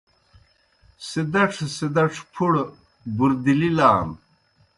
سِدَڇھہ سِدَڇھہ پُھڑہ بُردِلِلان۔